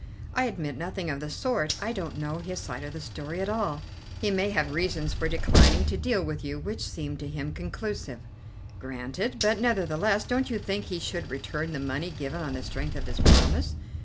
"I admit nothing of the sort: I don't know his side of the story at all. He may have reasons for declining to deal with you, which seem to him conclusive." "Granted. But nevertheless, don't you think he should return the money given on the strength of his promise?"